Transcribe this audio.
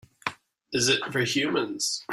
Is it for humans?